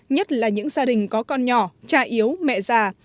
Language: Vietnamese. nhất là những gia đình có con nhỏ cha yếu mẹ già